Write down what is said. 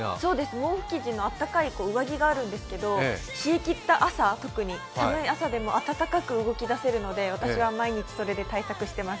毛布生地のあったかいのがあるんですけど特に寒い朝でもあたたかく動きだせるので私は毎日それで対策してます。